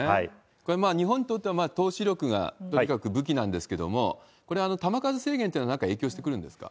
これ、日本にとっては投手力がとにかく武器なんですけれども、これは球数制限というのは、なんか影響してくるんですか？